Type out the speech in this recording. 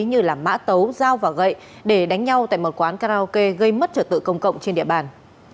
như mã tấu dao và gậy để đánh nhau tại một quán karaoke gây mất trở tự công cộng trên địa bàn